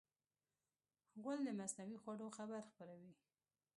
غول د مصنوعي خوړو خبر خپروي.